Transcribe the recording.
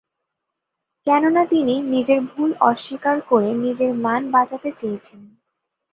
কেননা তিনি "নিজের ভুল অস্বীকার করে নিজের মান বাঁচাতে চেয়েছিলেন।"